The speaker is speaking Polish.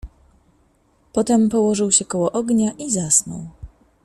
"Potem położył się koło ognia i zasnął."